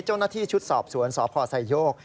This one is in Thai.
เจ้าหน้าที่ชุดสอบสวนสพไซโยก